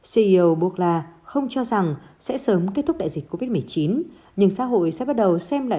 ceo borla không cho rằng sẽ sớm kết thúc đại dịch covid một mươi chín nhưng xã hội sẽ bắt đầu xem lại